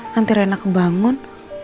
nanti reina kebangun